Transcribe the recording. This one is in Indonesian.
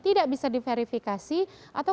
tidak bisa diverifikasi atau